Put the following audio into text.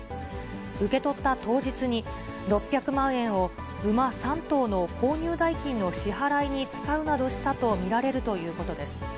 受け取った当日に、６００万円を馬３頭の購入代金の支払いに使うなどしたと見られるということです。